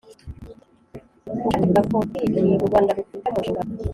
Ubushake bwa Politiki u Rwanda rufite mu nshingano